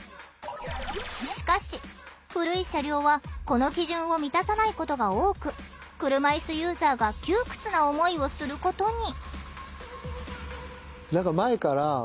しかし古い車両はこの基準を満たさないことが多く車いすユーザーが窮屈な思いをすることに。